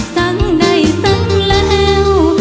สั่งได้สั่งแล้ว